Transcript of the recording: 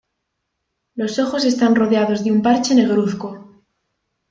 Los ojos están rodeados de un parche negruzco.